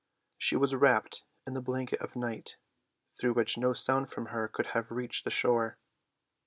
She was wrapped in the blanket of night, through which no sound from her could have reached the shore.